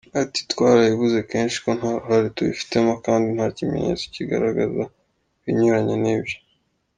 Ati : “Twarabivuze kenshi ko ntaruhare tubifitemo, kandi nta kimenyetso kigaragaza ibinyuranye n’ibyo.